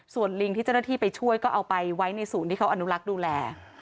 ส่วนลิงที่เจ้าหน้าที่ไปช่วยก็เอาไปไว้ในศูนย์ที่เขาอนุรักษ์ดูแล